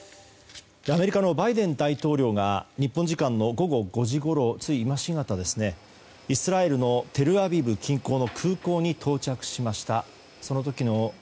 アメリカのバイデン大統領が日本時間の午後５時ごろイスラエルのテルアビブ近郊の空港に到着しました。